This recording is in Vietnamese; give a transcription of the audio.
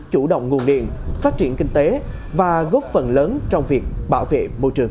chủ động nguồn điện phát triển kinh tế và góp phần lớn trong việc bảo vệ môi trường